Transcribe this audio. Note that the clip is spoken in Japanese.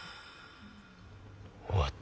終わった。